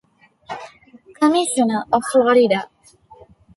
Commissioner, of Florida.